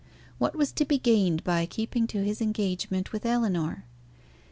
What was to be gained by keeping to his engagement with Ellinor?